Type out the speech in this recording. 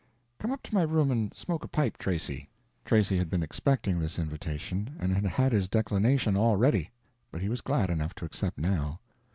"Come up to my room and smoke a pipe, Tracy." Tracy had been expecting this invitation, and had had his declination all ready: but he was glad enough to accept, now.